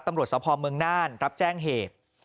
ตำรวจสภเมืองน่านรับแจ้งเหตุ